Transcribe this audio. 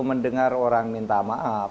mendengar orang minta maaf